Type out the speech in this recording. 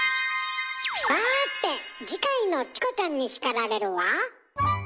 さて次回の「チコちゃんに叱られる」は？